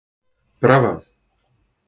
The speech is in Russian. права